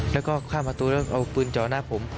แล้วก็ข้ามประตูแล้วเอาปืนจ่อหน้าผม